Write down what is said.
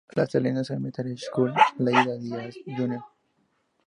La Salinas Elementary School, la Ida Diaz Jr.